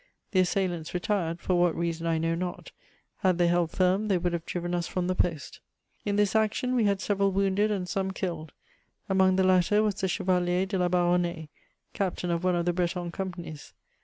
The assailants retired, for what reason I know not; had they held firm, they would have driven us from the post. In this action we had several wounded and some killed; among the latter was the Chevalier de la Baronnais, captain of one of the Breton companies.